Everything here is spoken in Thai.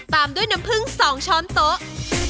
ตามด้วยน้ำผึ้ง๒ช้อนโต๊ะ